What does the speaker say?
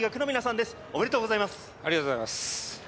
おめでとうございます。